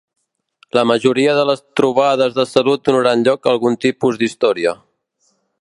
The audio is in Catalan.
La majoria de les trobades de salut donaran lloc a algun tipus d'història.